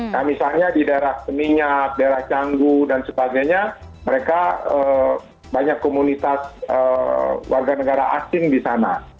nah misalnya di daerah peningat daerah canggu dan sebagainya mereka banyak komunitas warga negara asing di sana